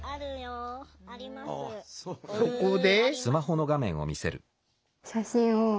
そこで。